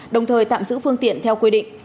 đồng thời tạm giữ phương tiện theo quy định